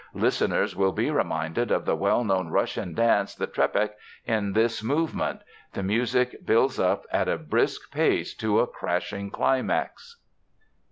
Listeners will be reminded of the well known Russian dance, the Trepak, in this movement. The music builds up at a brisk pace to a crashing climax.